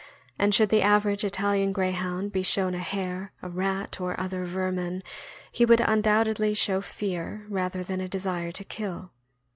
631 and should the average Italian Greyhound be shown a hare, a rat, or other vermin, he would undoubtedly show fear rather than a desire to kill.